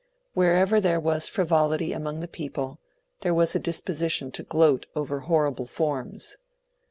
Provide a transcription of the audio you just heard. Wherever there was frivolity among the people, there was a disposition to gloat over horrible forms.